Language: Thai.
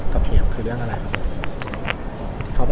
เหี่ยวคือเรื่องอะไรครับผม